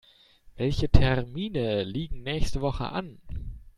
Welche Termine liegen nächste Woche an?